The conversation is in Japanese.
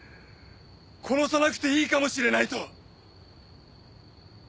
殺さなくていいかもしれないと。